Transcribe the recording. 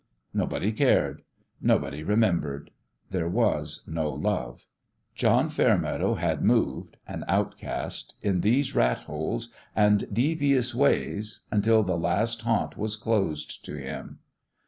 Nobody cared, nobody remembered : there was no love. John Fairmeadow had moved an outcast in these rat holes and devious ways until the last haunt was closed to him.